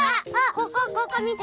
ここここみて。